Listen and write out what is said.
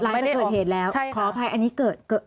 หลังจากเกิดเหตุแล้วขออภัยอันนี้เกิดเกิด